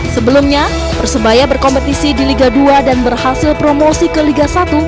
sebelumnya persebaya berkompetisi di liga dua dan berhasil promosi ke liga satu